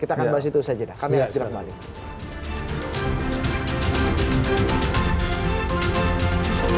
kita akan bahas itu saja kami akan segera kembali